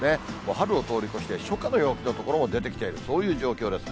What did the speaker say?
春を通り越して、初夏の陽気の所も出てきている、そういう状況です。